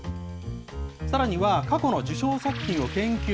さらには、過去の受賞作品を研究。